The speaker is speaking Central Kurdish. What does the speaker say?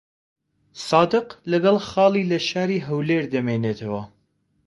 سادق لەگەڵ خاڵی لە شاری هەولێر دەمێنێتەوە.